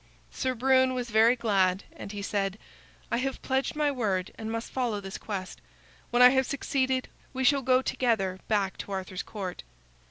Sir Brune was very glad, and he said: "I have pledged my word and must follow this quest. When I have succeeded we shall go together back to Arthur's Court."